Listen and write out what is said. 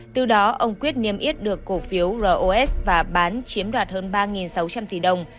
từ đó ông quyết niêm yết được cổ phiếu ros và bán chiếm đoạt hơn ba sáu trăm linh tỷ đồng